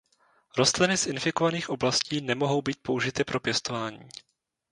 Rostliny z infikovaných oblastí nemohou být použity pro pěstování.